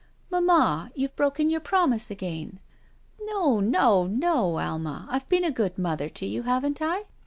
"Mamma, you've broken your promise again." "No! No! No! Alma, I've been a good mother to you, haven't I?"